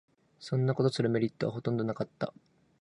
そんなことするメリットはほとんどなかった